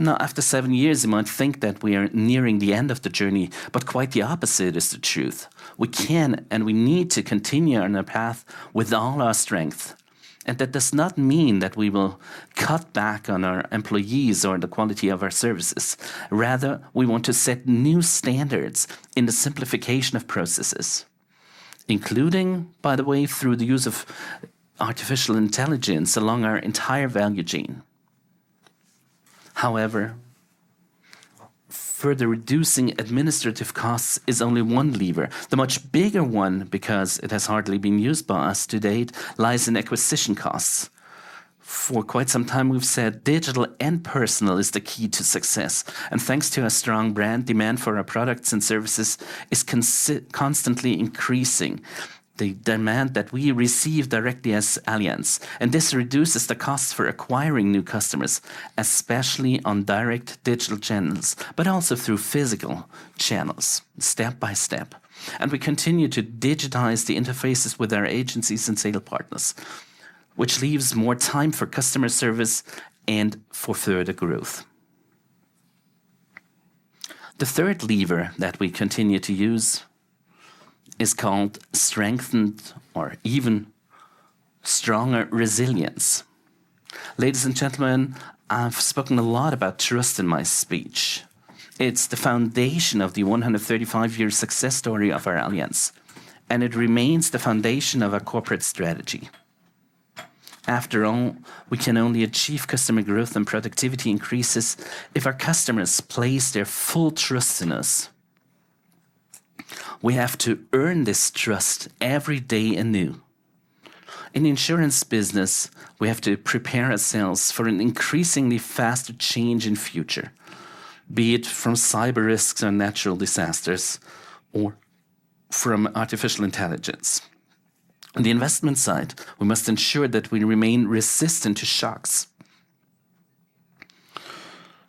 Now, after seven years, you might think that we are nearing the end of the journey, but quite the opposite is the truth. We can and we need to continue on our path with all our strength. That does not mean that we will cut back on our employees or the quality of our services. Rather, we want to set new standards in the simplification of processes, including, by the way, through the use of artificial intelligence along our entire value chain. However, further reducing administrative costs is only one lever. The much bigger one, because it has hardly been used by us to date, lies in acquisition costs. For quite some time, we've said digital and personal is the key to success. Thanks to our strong brand, demand for our products and services is constantly increasing. The demand that we receive directly as Allianz. This reduces the costs for acquiring new customers, especially on direct digital channels, but also through physical channels, step by step. We continue to digitize the interfaces with our agencies and sale partners, which leaves more time for customer service and for further growth. The third lever that we continue to use is called strengthened or even stronger resilience. Ladies and gentlemen, I've spoken a lot about trust in my speech. It's the foundation of the 135-year success story of our Allianz, and it remains the foundation of our corporate strategy. After all, we can only achieve customer growth and productivity increases if our customers place their full trust in us. We have to earn this trust every day anew. In the insurance business, we have to prepare ourselves for an increasingly fast change in the future, be it from cyber risks or natural disasters or from artificial intelligence. On the investment side, we must ensure that we remain resistant to shocks.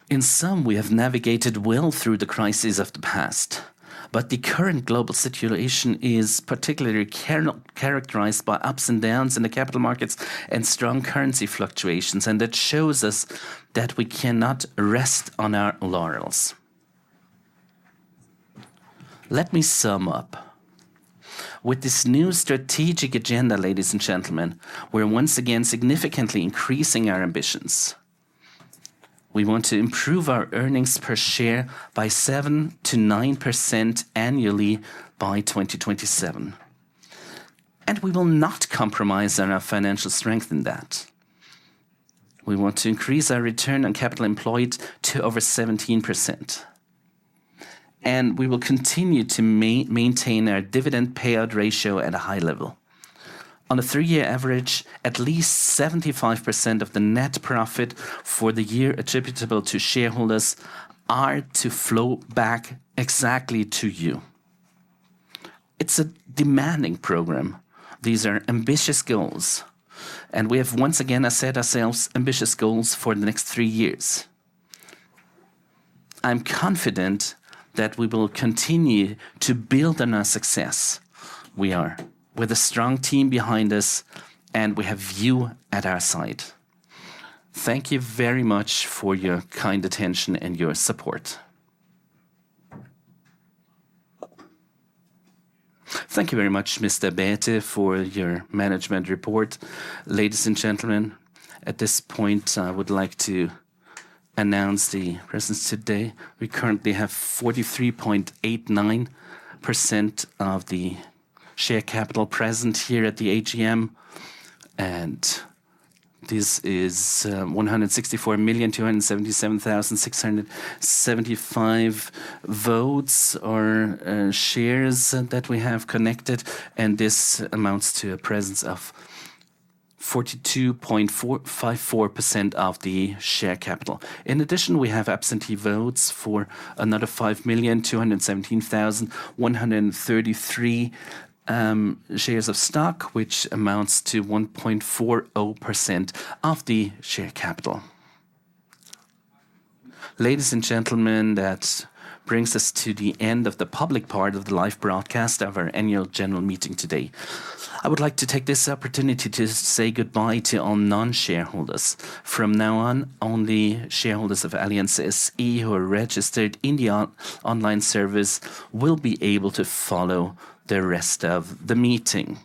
In sum, we have navigated well through the crises of the past, but the current global situation is particularly characterized by ups and downs in the capital markets and strong currency fluctuations. That shows us that we cannot rest on our laurels. Let me sum up. With this new strategic agenda, ladies and gentlemen, we're once again significantly increasing our ambitions. We want to improve our earnings per share by 7-9% annually by 2027. We will not compromise on our financial strength in that. We want to increase our return on capital employed to over 17%. We will continue to maintain our dividend payout ratio at a high level. On a three-year average, at least 75% of the net profit for the year attributable to shareholders are to flow back exactly to you. It is a demanding program. These are ambitious goals. We have once again set ourselves ambitious goals for the next three years. I am confident that we will continue to build on our success. We are with a strong team behind us, and we have you at our side. Thank you very much for your kind attention and your support.
Thank you very much, Mr. Bäte, for your management report. Ladies and gentlemen, at this point, I would like to announce the presence today. We currently have 43.89% of the share capital present here at the AGM. This is 164,277,675 votes or shares that we have connected. This amounts to a presence of 42.54% of the share capital. In addition, we have absentee votes for another 5,217,133 shares of stock, which amounts to 1.40% of the share capital. Ladies and gentlemen, that brings us to the end of the public part of the live broadcast of our annual general meeting today. I would like to take this opportunity to say goodbye to all non-shareholders. From now on, only shareholders of Allianz SE who are registered in the online service will be able to follow the rest of the meeting.